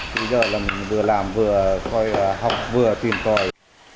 bây giờ là mình vừa làm vừa học vừa tìm tòi